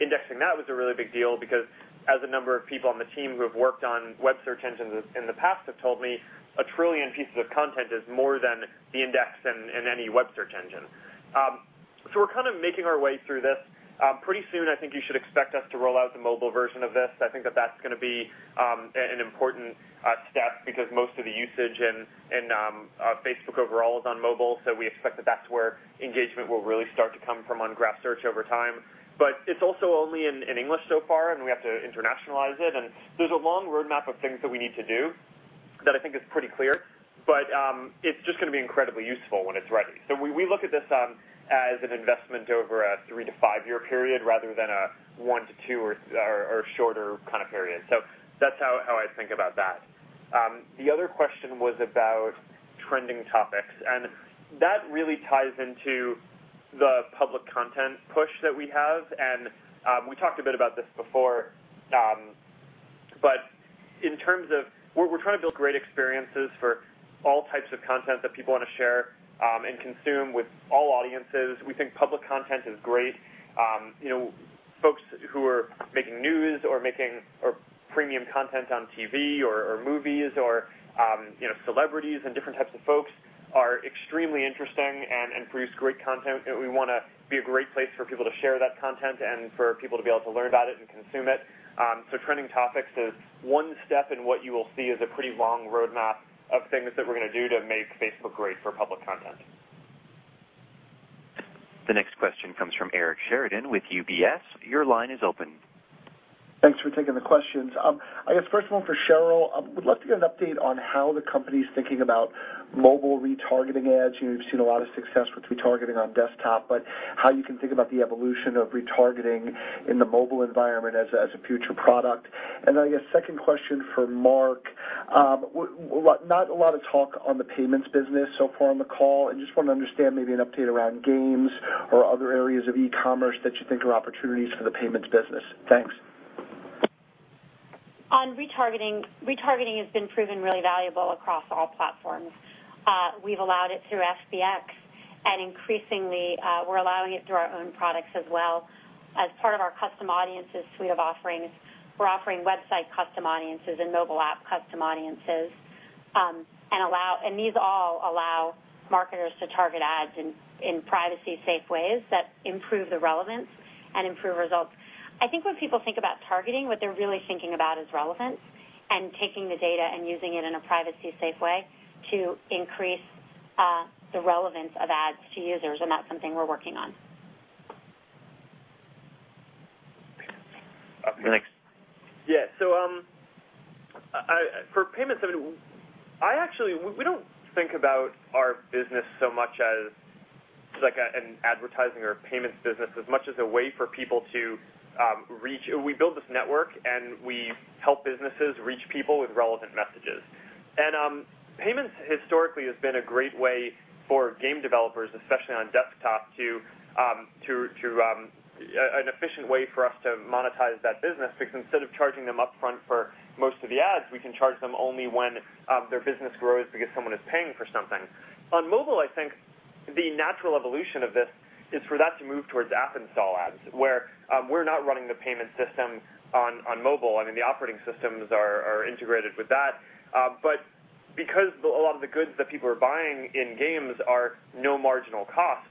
Indexing that was a really big deal because as a number of people on the team who have worked on web search engines in the past have told me, a trillion pieces of content is more than the index in any web search engine. We're kind of making our way through this. Pretty soon, I think you should expect us to roll out the mobile version of this. I think that that's gonna be an important step because most of the usage in Facebook overall is on mobile. We expect that that's where engagement will really start to come from on Graph Search over time. It's also only in English so far, and we have to internationalize it. There's a long roadmap of things that we need to do that I think is pretty clear, but it's just gonna be incredibly useful when it's ready. We look at this as an investment over a three to five-year period rather than a one to two or shorter kind of period. That's how I think about that. The other question was about trending topics, that really ties into the public content push that we have. We talked a bit about this before, but in terms of we're trying to build great experiences for all types of content that people want to share and consume with all audiences. We think public content is great. You know, folks who are making news or premium content on TV or movies or, you know, celebrities and different types of folks are extremely interesting and produce great content. We wanna be a great place for people to share that content and for people to be able to learn about it and consume it. Trending topics is one step in what you will see is a pretty long roadmap of things that we're gonna do to make Facebook great for public content. The next question comes from Eric Sheridan with UBS. Your line is open. Thanks for taking the questions. I guess first one for Sheryl. Would love to get an update on how the company's thinking about mobile retargeting ads. You know, we've seen a lot of success with retargeting on desktop, but how you can think about the evolution of retargeting in the mobile environment as a future product. I guess second question for Mark. Not a lot of talk on the payments business so far on the call. I just want to understand maybe an update around games or other areas of e-commerce that you think are opportunities for the payments business. Thanks. Retargeting has been proven really valuable across all platforms. We've allowed it through FBX, and increasingly, we're allowing it through our own products as well. As part of our Custom Audiences suite of offerings, we're offering Website Custom Audiences and Mobile App Custom Audiences. These all allow marketers to target ads in privacy-safe ways that improve the relevance and improve results. I think when people think about targeting, what they're really thinking about is relevance and taking the data and using it in a privacy-safe way to increase the relevance of ads to users, and that's something we're working on. Up next. For payments, I mean, I actually We don't think about our business so much as just like an advertising or payments business, as much as a way for people to reach. We build this network, and we help businesses reach people with relevant messages. Payments historically has been a great way for game developers, especially on desktop to an efficient way for us to monetize that business because instead of charging them upfront for most of the ads, we can charge them only when their business grows because someone is paying for something. On mobile, I think the natural evolution of this is for that to move towards app install ads, where we're not running the payment system on mobile. I mean, the operating systems are integrated with that. Because the, a lot of the goods that people are buying in games are no marginal cost,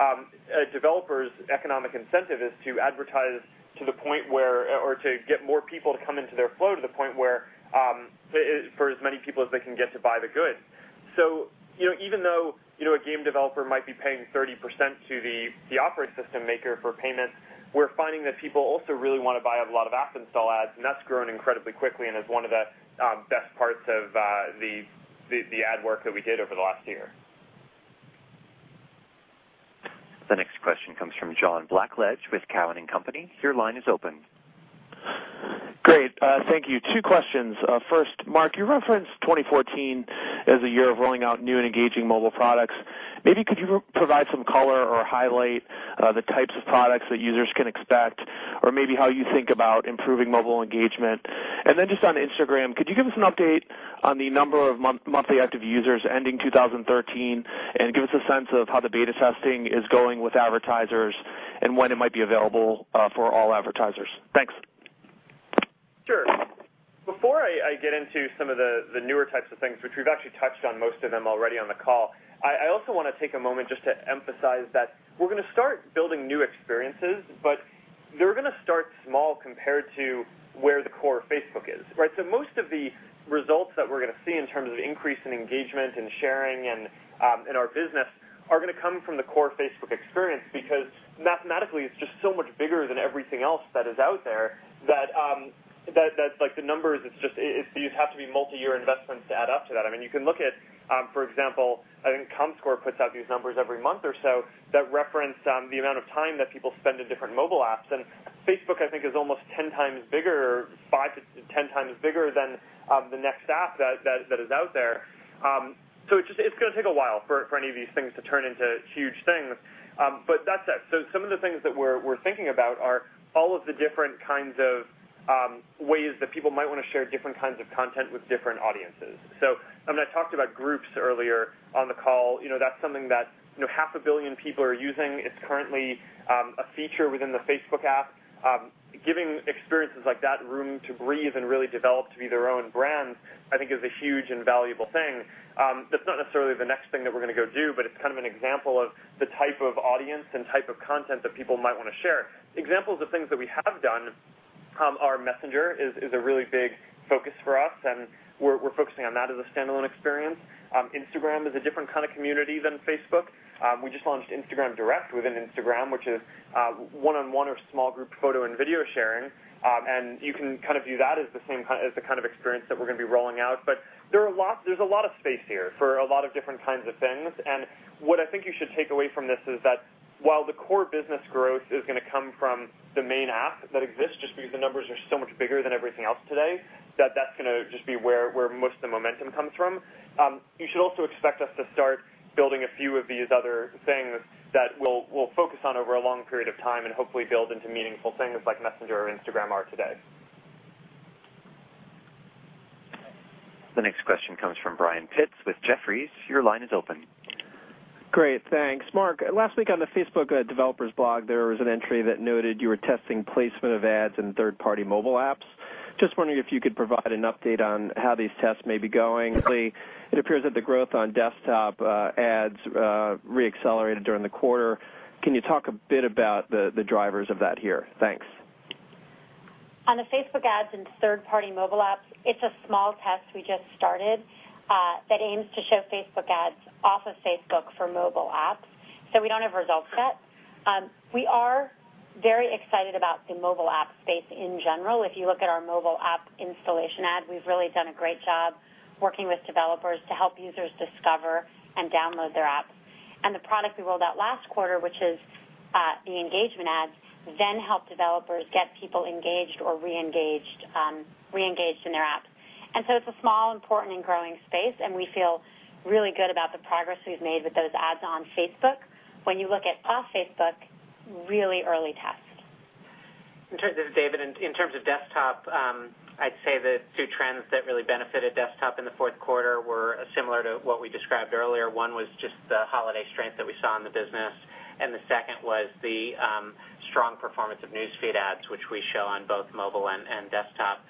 a developer's economic incentive is to advertise to the point where, or to get more people to come into their flow to the point where for as many people as they can get to buy the goods. You know, even though, you know, a game developer might be paying 30% to the operating system maker for payments, we're finding that people also really wanna buy a lot of app install ads, and that's grown incredibly quickly and is one of the best parts of the ad work that we did over the last year. The next question comes from John Blackledge with Cowen and Company. Your line is open. Great. Thank you. Two questions. First, Mark, you referenced 2014 as the year of rolling out new and engaging mobile products. Maybe could you provide some color or highlight the types of products that users can expect, or maybe how you think about improving mobile engagement? Just on Instagram, could you give us an update on the number of monthly active users ending 2013, and give us a sense of how the beta testing is going with advertisers and when it might be available for all advertisers? Thanks. Sure. Before I get into some of the newer types of things, which we've actually touched on most of them already on the call, I also wanna take a moment just to emphasize that we're gonna start building new experiences, but they're gonna start small compared to where the core Facebook is, right? Most of the results that we're gonna see in terms of increase in engagement and sharing and in our business are gonna come from the core Facebook experience because mathematically, it's just so much bigger than everything else that is out there that that's like the numbers it's just it'd have to be multiyear investments to add up to that. I mean, you can look at, for example, I think comScore puts out these numbers every month or so that reference the amount of time that people spend in different mobile apps. Facebook, I think, is almost 10 times bigger, 5-10 times bigger than the next app that is out there. It just, it's gonna take a while for any of these things to turn into huge things. That's that. Some of the things that we're thinking about are all of the different kinds of ways that people might wanna share different kinds of content with different audiences. I mean, I talked about groups earlier on the call. You know, that's something that, you know, half a billion people are using. It's currently a feature within the Facebook app. Giving experiences like that room to breathe and really develop to be their own brands, I think is a huge and valuable thing. That's not necessarily the next thing that we're gonna go do, but it's kind of an example of the type of audience and type of content that people might wanna share. Examples of things that we have done, are Messenger is a really big focus for us, and we're focusing on that as a standalone experience. Instagram is a different kind of community than Facebook. We just launched Instagram Direct within Instagram, which is one-on-one or small group photo and video sharing. And you can kind of view that as the same kind, as the kind of experience that we're gonna be rolling out. There's a lot of space here for a lot of different kinds of things. What I think you should take away from this is that while the core business growth is gonna come from the main app that exists just because the numbers are so much bigger than everything else today, that that's gonna just be where most of the momentum comes from. You should also expect us to start building a few of these other things that we'll focus on over a long period of time and hopefully build into meaningful things like Messenger or Instagram are today. The next question comes from Brian Pitz with Jefferies. Your line is open. Great. Thanks. Mark, last week on the Facebook, developers blog, there was an entry that noted you were testing placement of ads in third-party mobile apps. Just wondering if you could provide an update on how these tests may be going. It appears that the growth on desktop ads re-accelerated during the quarter. Can you talk a bit about the drivers of that here? Thanks. On the Facebook ads and third-party mobile apps, it's a small test we just started, that aims to show Facebook ads off of Facebook for mobile apps. We don't have results yet. We are very excited about the mobile app space in general. If you look at our mobile app installation ad, we've really done a great job working with developers to help users discover and download their app. The product we rolled out last quarter, which is the engagement ads, then help developers get people engaged or re-engaged in their app. It's a small, important, and growing space, and we feel really good about the progress we've made with those ads on Facebook. When you look at off Facebook, really early tests. This is David. In terms of desktop, I'd say the two trends that really benefited desktop in the fourth quarter were similar to what we described earlier. One was just the holiday strength that we saw in the business, and the second was the strong performance of News Feed ads, which we show on both mobile and desktop.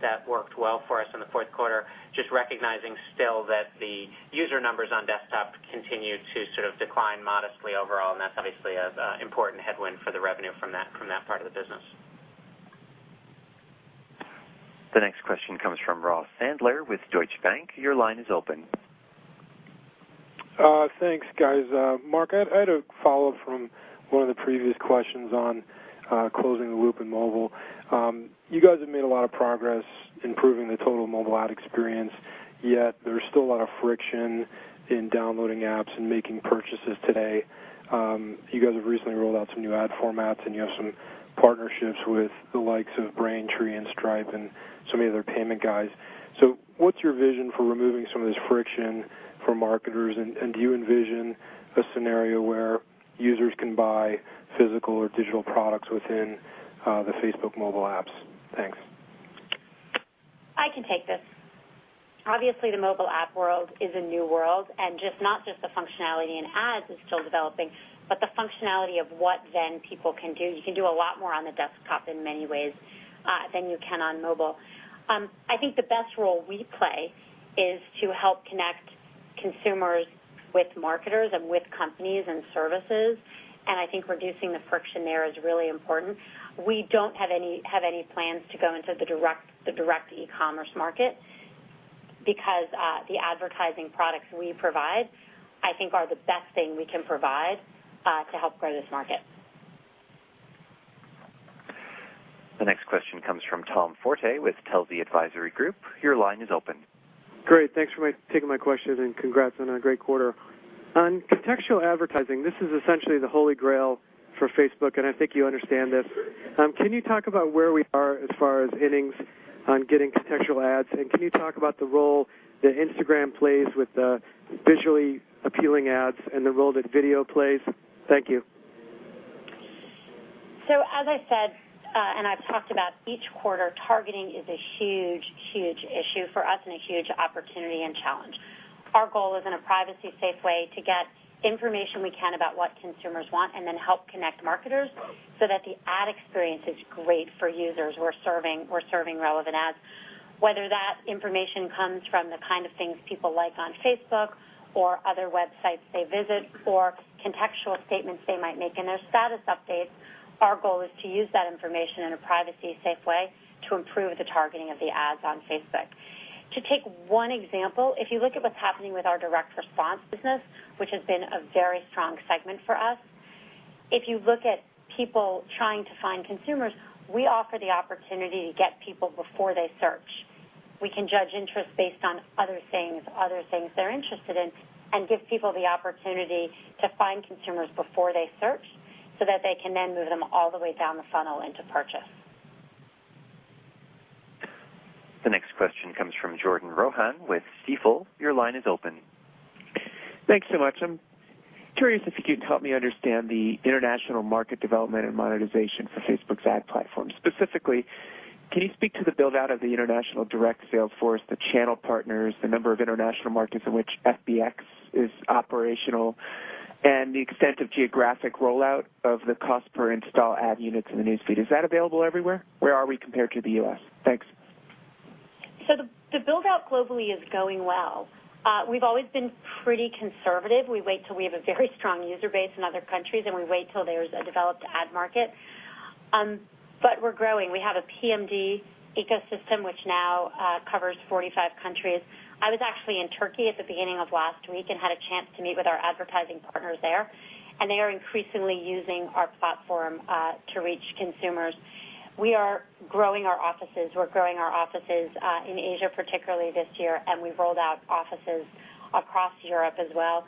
That worked well for us in the fourth quarter. Just recognizing still that the user numbers on desktop continue to sort of decline modestly overall, and that's obviously an important headwind for the revenue from that part of the business. The next question comes from Ross Sandler with Deutsche Bank. Your line is open. Thanks, guys. Mark, I had a follow-up from one of the previous questions on closing the loop in mobile. You guys have made a lot of progress improving the total mobile ad experience, yet there's still a lot of friction in downloading apps and making purchases today. You guys have recently rolled out some new ad formats, you have some partnerships with the likes of Braintree and Stripe and some of the other payment guys. What's your vision for removing some of this friction for marketers? And do you envision a scenario where users can buy physical or digital products within the Facebook mobile apps? Thanks. I can take this. Obviously, the mobile app world is a new world, not just the functionality in ads is still developing, but the functionality of what people can do. You can do a lot more on the desktop in many ways than you can on mobile. I think the best role we play is to help connect consumers with marketers and with companies and services. I think reducing the friction there is really important. We don't have any plans to go into the direct e-commerce market because the advertising products we provide, I think are the best thing we can provide to help grow this market. The next question comes from Tom Forte with Telsey Advisory Group. Your line is open. Great. Thanks for taking my question, congrats on a great quarter. On contextual advertising, this is essentially the Holy Grail for Facebook, I think you understand this. Can you talk about where we are as far as innings on getting contextual ads? Can you talk about the role that Instagram plays with the visually appealing ads and the role that video plays? Thank you. As I said, and I've talked about each quarter, targeting is a huge, huge issue for us and a huge opportunity and challenge. Our goal is in a privacy safe way to get information we can about what consumers want and then help connect marketers so that the ad experience is great for users who are serving, who are serving relevant ads. Whether that information comes from the kind of things people like on Facebook or other websites they visit or contextual statements they might make in their status updates, our goal is to use that information in a privacy safe way to improve the targeting of the ads on Facebook. To take one example, if you look at what's happening with our direct response business, which has been a very strong segment for us, if you look at people trying to find consumers, we offer the opportunity to get people before they search. We can judge interest based on other things, other things they're interested in and give people the opportunity to find consumers before they search so that they can then move them all the way down the funnel into purchase. The next question comes from Jordan Rohan with Stifel. Your line is open. Thanks so much. I'm curious if you could help me understand the international market development and monetization for Facebook's ad platform. Specifically, can you speak to the build-out of the international direct sales force, the channel partners, the number of international markets in which FBX is operational, and the extent of geographic rollout of the cost per install ad units in the News Feed? Is that available everywhere? Where are we compared to the U.S.? Thanks. The build-out globally is going well. We've always been pretty conservative. We wait till we have a very strong user base in other countries, and we wait till there's a developed ad market. We're growing. We have a PMD ecosystem which now covers 45 countries. I was actually in Turkey at the beginning of last week and had a chance to meet with our advertising partners there, and they are increasingly using our platform to reach consumers. We are growing our offices. We're growing our offices in Asia, particularly this year, and we've rolled out offices across Europe as well.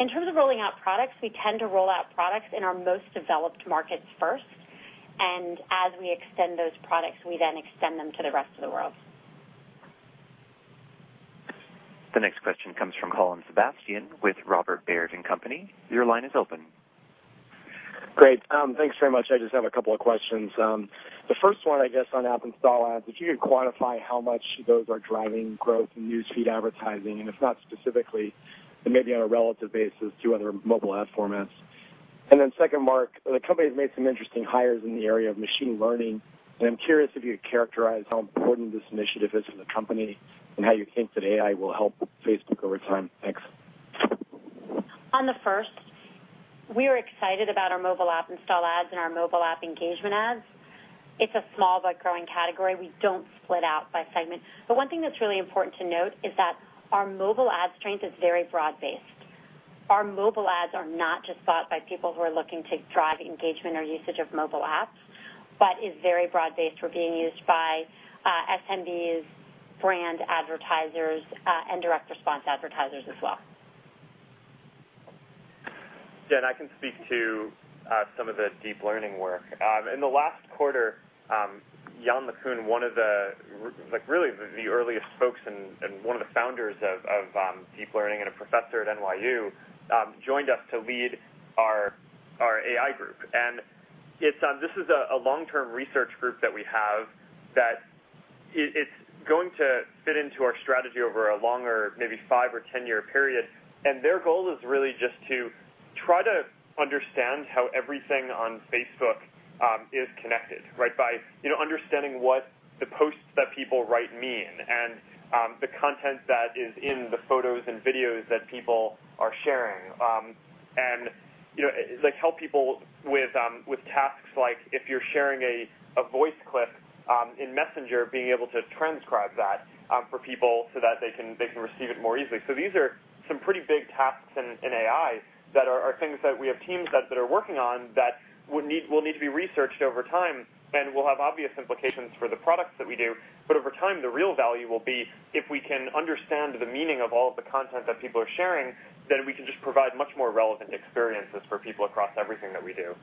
In terms of rolling out products, we tend to roll out products in our most developed markets first, and as we extend those products, we then extend them to the rest of the world. The next question comes from Colin Sebastian with Robert W. Baird & Co. Your line is open. Great. Thanks very much. I just have a couple of questions. The first one, I guess, on app install ads. If you could quantify how much those are driving growth in News Feed advertising, if not specifically, then maybe on a relative basis to other mobile ad formats. Then second, Mark, the company has made some interesting hires in the area of machine learning, and I'm curious if you could characterize how important this initiative is to the company and how you think that AI will help Facebook over time. Thanks. On the first, we are excited about our mobile app install ads and our mobile app engagement ads. It's a small but growing category. We don't split out by segment. One thing that's really important to note is that our mobile ad strength is very broad-based. Our mobile ads are not just bought by people who are looking to drive engagement or usage of mobile apps, but is very broad-based. We're being used by SMBs, brand advertisers, and direct response advertisers as well. Yeah, I can speak to some of the deep learning work. In the last quarter, Yann LeCun, one of the really the earliest folks and one of the founders of deep learning and a professor at NYU, joined us to lead our AI group. This is a long-term research group that we have that it's going to fit into our strategy over a longer, maybe five or 10-year period. Their goal is really just to try to understand how everything on Facebook is connected, right? By, you know, understanding what the posts that people write mean, and the content that is in the photos and videos that people are sharing. You know, like, help people with tasks like if you're sharing a voice clip, in Messenger, being able to transcribe that, for people so that they can, they can receive it more easily. These are some pretty big tasks in AI that are things that we have teams that are working on that would need, will need to be researched over time and will have obvious implications for the products that we do. Over time, the real value will be if we can understand the meaning of all of the content that people are sharing, then we can just provide much more relevant experiences for people across everything that we do.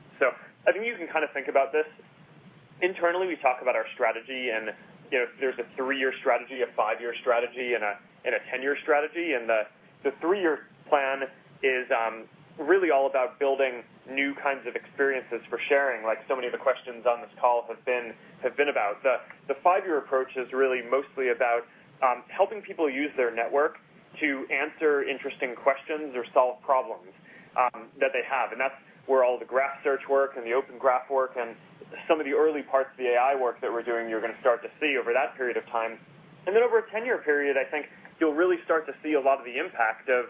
I think you can kind of think about this. Internally, we talk about our strategy, you know, there's a three-year strategy, a five-year strategy, and a 10-year strategy. The three-year plan is really all about building new kinds of experiences for sharing, like so many of the questions on this call have been about. The five-year approach is really mostly about helping people use their network to answer interesting questions or solve problems that they have. That's where all the Graph Search work and the Open Graph work and some of the early parts of the AI work that we're doing, you're gonna start to see over that period of time. Over a 10-year period, I think you'll really start to see a lot of the impact of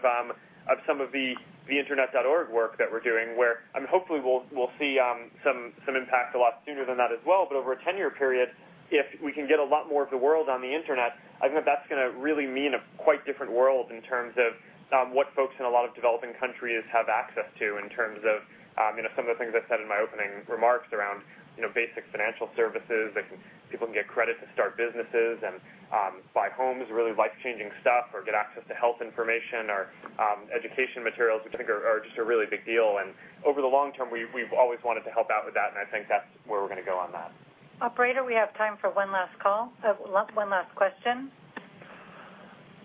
some of the Internet.org work that we're doing, where hopefully we'll see some impact a lot sooner than that as well. Over a 10-year period, if we can get a lot more of the world on the Internet. I think that's gonna really mean a quite different world in terms of what folks in a lot of developing countries have access to in terms of some of the things I said in my opening remarks around basic financial services, like people can get credit to start businesses and buy homes, really life-changing stuff, or get access to health information or education materials, which I think are just a really big deal. Over the long term, we've always wanted to help out with that, and I think that's where we're gonna go on that. Operator, we have time for one last call. one last question.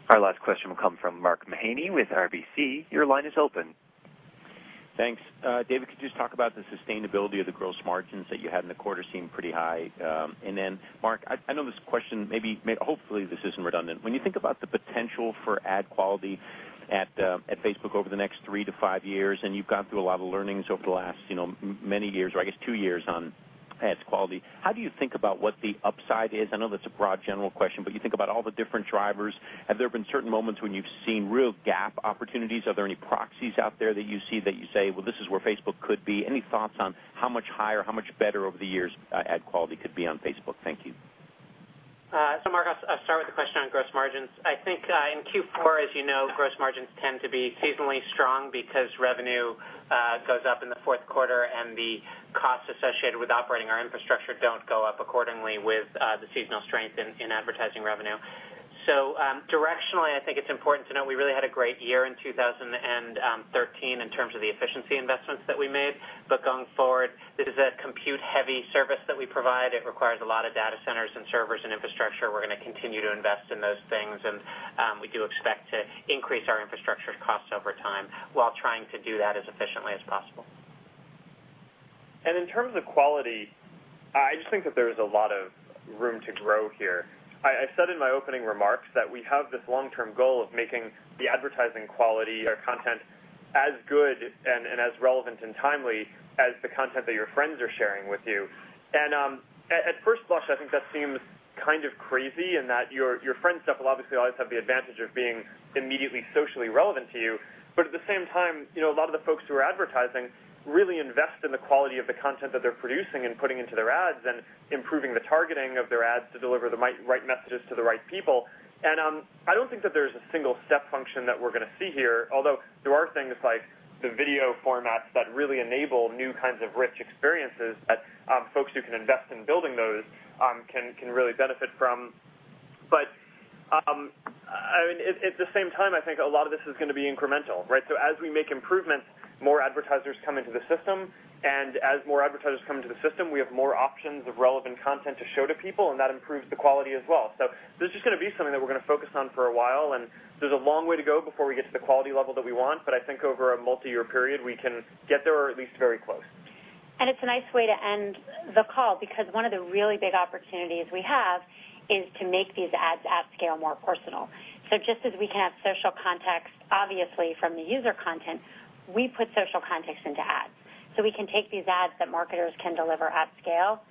Our last question will come from Mark Mahaney with RBC. Your line is open. Thanks. David, could you just talk about the sustainability of the gross margins that you had in the quarter, seem pretty high? Mark, I know this question, hopefully, this isn't redundant. When you think about the potential for ad quality at Facebook over the next three to five years, and you've gone through a lot of learnings over the last many years, or I guess two years on ads quality, how do you think about what the upside is? I know that's a broad, general question, but you think about all the different drivers. Have there been certain moments when you've seen real gap opportunities? Are there any proxies out there that you see that you say, "Well, this is where Facebook could be"? Any thoughts on how much higher, how much better over the years, ad quality could be on Facebook? Thank you. Mark, I'll start with the question on gross margins. I think, in Q4, as you know, gross margins tend to be seasonally strong because revenue goes up in the fourth quarter, and the costs associated with operating our infrastructure don't go up accordingly with the seasonal strength in advertising revenue. Directionally, I think it's important to know we really had a great year in 2013 in terms of the efficiency investments that we made. Going forward, this is a compute-heavy service that we provide. It requires a lot of data centers and servers and infrastructure. We're gonna continue to invest in those things, and we do expect to increase our infrastructure costs over time while trying to do that as efficiently as possible. In terms of quality, I just think that there's a lot of room to grow here. I said in my opening remarks that we have this long-term goal of making the advertising quality or content as good and as relevant and timely as the content that your friends are sharing with you. At first blush, I think that seems kind of crazy in that your friends' stuff will obviously always have the advantage of being immediately socially relevant to you. At the same time, you know, a lot of the folks who are advertising really invest in the quality of the content that they're producing and putting into their ads and improving the targeting of their ads to deliver the right messages to the right people. I don't think that there's a single step function that we're gonna see here. Although there are things like the video formats that really enable new kinds of rich experiences that, folks who can invest in building those, can really benefit from. I mean, at the same time, I think a lot of this is gonna be incremental, right? As we make improvements, more advertisers come into the system, and as more advertisers come into the system, we have more options of relevant content to show to people, and that improves the quality as well. This is gonna be something that we're gonna focus on for a while, and there's a long way to go before we get to the quality level that we want. I think over a multi-year period, we can get there, or at least very close. It's a nice way to end the call because one of the really big opportunities we have is to make these ads at scale more personal. Just as we can have social context, obviously, from the user content, we put social context into ads. We can take these ads that marketers can deliver at scale,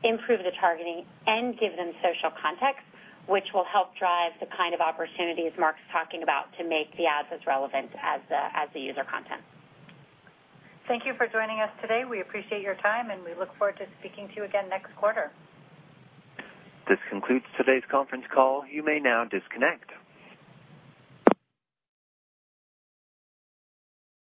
improve the targeting, and give them social context, which will help drive the kind of opportunities Mark's talking about to make the ads as relevant as the user content. Thank you for joining us today. We appreciate your time, and we look forward to speaking to you again next quarter. This concludes today's conference call. You may now disconnect.